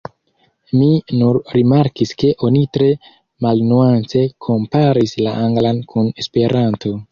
Mi nur rimarkis ke oni tre malnuance komparis la anglan kun esperanto.